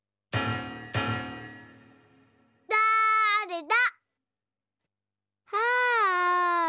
だれだ？